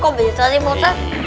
kok bisa sih ustadz